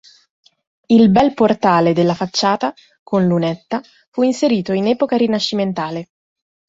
Il bel portale della facciata, con lunetta, fu inserito in epoca rinascimentale.